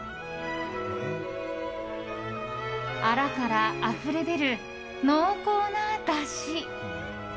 アラからあふれ出る濃厚なだし。